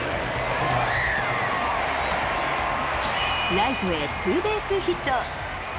ライトへツーベースヒット。